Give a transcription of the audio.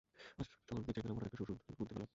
আজ যখন গির্জায় গেলাম, হঠাৎ একটি সুর গুনতে পেলাম।